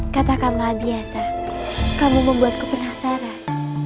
katakanlah biasa kamu membuatku penasaran